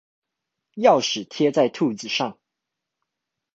鑰匙貼在兔子上